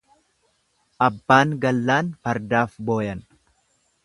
Abbaan gallaan fardaaf booyan.